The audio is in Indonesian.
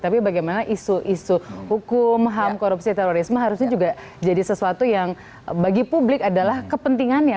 tapi bagaimana isu isu hukum ham korupsi terorisme harusnya juga jadi sesuatu yang bagi publik adalah kepentingannya